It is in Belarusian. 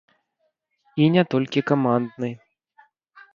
І не толькі камандны.